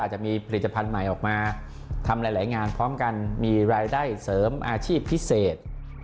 จะมีผลิตภัณฑ์ใหม่ออกมาทำหลายงานพร้อมกันมีรายได้เสริมอาชีพพิเศษ